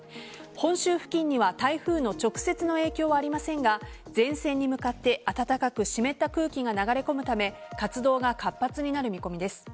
本州付近には台風の直接の影響はありませんが前線に向かって暖かく湿った空気が流れ込むため活動が活発になる見込みです。